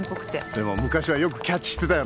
でも昔はよくキャッチしてたよな。